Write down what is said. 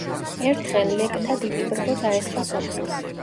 ერთხელ ლეკთა დიდი ბრბო დაესხა სოფელს.